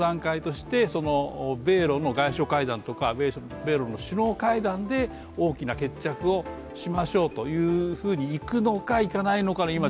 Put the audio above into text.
米ロの外相会談とか米ロの首脳会談で大きな決着をしましょうというふうに行くのか行かないのかな